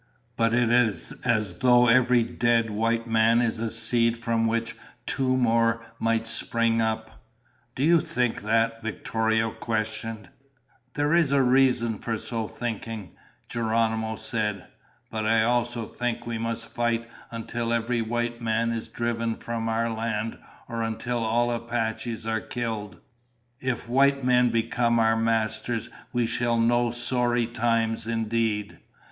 But it is as though every dead white man is a seed from which two more spring up." "Do you think that?" Victorio questioned. "There is reason for so thinking," Geronimo said. "But I also think we must fight until every white man is driven from our land or until all Apaches are killed. If white men become our masters we shall know sorry times indeed.